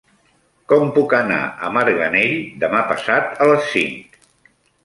Com puc anar a Marganell demà passat a les cinc?